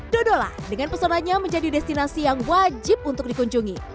dodolan dengan pesonanya menjadi destinasi yang wajib untuk dikunjungi